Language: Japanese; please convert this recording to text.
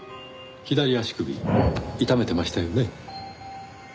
左足首痛めてましたよね。